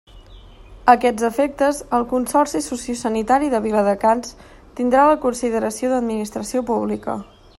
A aquests efectes, el Consorci Sociosanitari de Viladecans tindrà la consideració d'Administració Pública.